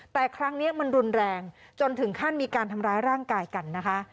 แต่ครั้งนี้มันรุนแรงจนถึงขั้นมีการทำร้ายร่างกายกันนะคะ